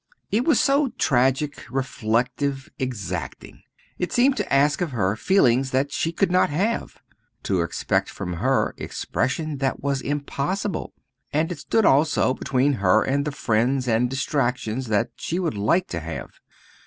It was so tragic, reflective, exacting. It seemed to ask of her feelings that she could not have, to expect from her expression that was impossible. And it stood also between her and the friends and distractions that she would like to have.